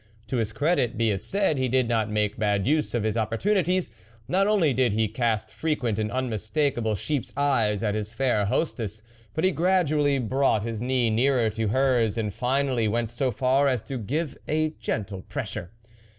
To his credit, be it said, he did not make bad use of his opportunities. Not only did he cast frequent and unmistakable sheep's eyes at his fair hostess, but he gradually brought his knee nearer to hers, and finally went so far as to give it a gentle pressure.